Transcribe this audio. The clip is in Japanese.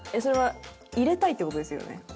それは入れたいっていう事ですよね？